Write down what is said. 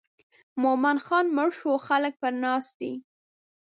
مومن خان مړ شو خلک پر ناست دي.